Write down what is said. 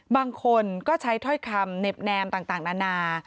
บางคนก็ใช้ถ้อยคำเน็บแนมต่างนานา